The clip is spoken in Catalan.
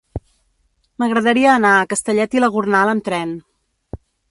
M'agradaria anar a Castellet i la Gornal amb tren.